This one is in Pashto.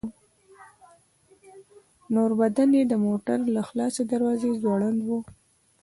نور بدن يې د موټر له خلاصې دروازې ځوړند و.